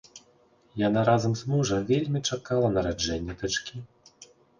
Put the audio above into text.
Яна разам з мужам вельмі чакала нараджэння дачкі.